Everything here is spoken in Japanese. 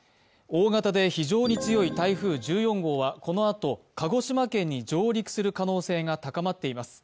大型で非常に強い台風１４号はこのあと鹿児島県に上陸する可能性が高まっています。